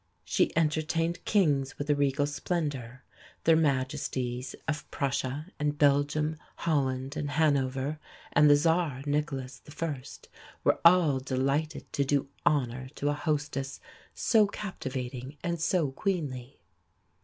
She entertained kings with a regal splendour. Their Majesties of Prussia and Belgium, Holland and Hanover, and the Tsar Nicholas I. were all delighted to do honour to a hostess so captivating and so queenly.